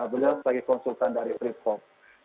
beliau sebagai konsultan dari tiga pops